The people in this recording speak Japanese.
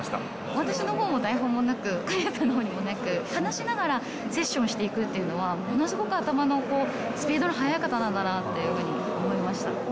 私のほうも台本もなく、若宮さんにもなく、話しながらセッションしていくっていうのは、ものすごく頭のスピードの速い方なんだなというふうに思いました